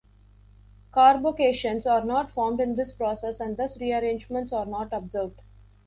Carbocations are not formed in this process and thus rearrangements are not observed.